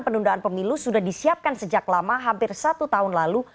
penundaan pemilu sudah disiapkan sejak lama hampir satu tahun lalu